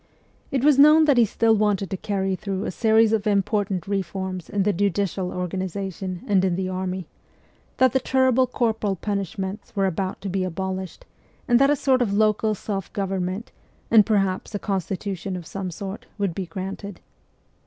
It was known that he still wanted to carry through a series of important reforms in the judicial organization and in the army ; that the terrible corporal punishments were about to be abolished, and that a sort of local self government, and perhaps a constitu tion of some sort, would be granted.